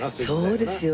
そうですよ。